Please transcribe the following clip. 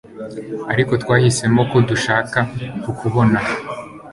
Ariko twahisemo ko dushaka kukubona